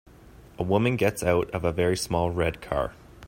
A woman gets out of a very small red car.